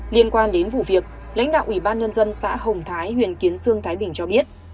liên quan đến vụ việc lãnh đạo ubnd xã hồng thái huyện kiến sương thái bình cho biết